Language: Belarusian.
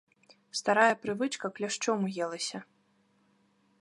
Старая прывычка кляшчом уелася.